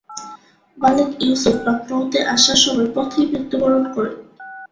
মালিক ইউসুফ লখনৌতি আসার সময় পথেই মৃত্যুবরণ করেন।